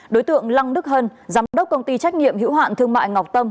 đối tượng lăng đức hân giám đốc công ty trách nhiệm hữu hạn thương mại ngọc tâm